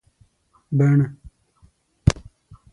بڼ